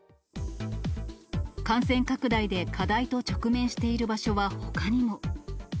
感染拡大で課題と直面している場所はほかにも。